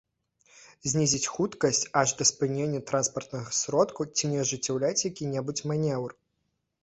Знізіць хуткасць аж да спынення транспартнага сродку ці не ажыццяўляць які-небудзь манеўр